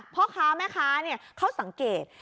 พ่อค้าแม่ค้าเขาสังเกต